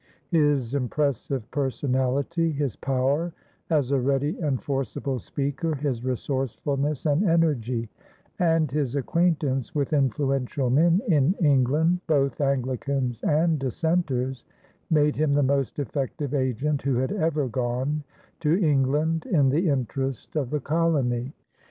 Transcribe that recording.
His impressive personality, his power as a ready and forcible speaker, his resourcefulness and energy, and his acquaintance with influential men in England, both Anglicans and Dissenters, made him the most effective agent who had ever gone to England in the interest of the colony.